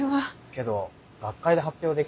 けど学会で発表できない以上。